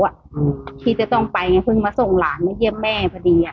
ที่จะต้องไปไงเพิ่งมาส่งหลานมาเยี่ยมแม่พอดี